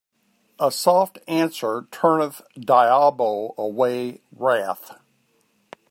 A soft answer turneth diabo away wrath.